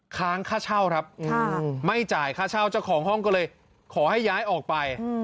ค้างค่าเช่าครับไม่จ่ายค่าเช่าเจ้าของห้องก็เลยขอให้ย้ายออกไป